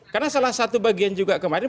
karena salah satu bagian juga kemarin